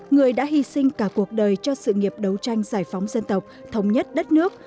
người đã hy sinh cả cuộc đời cho sự nghiệp đấu tranh giải phóng dân tộc thống nhất đất nước